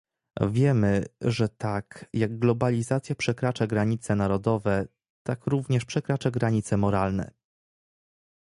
Wiemy, że tak, jak globalizacja przekracza granice narodowe, tak również przekracza granice moralne